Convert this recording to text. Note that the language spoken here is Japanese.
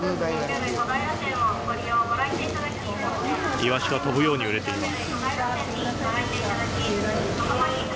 イワシが飛ぶように売れています。